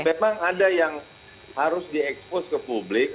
memang ada yang harus diekspos ke publik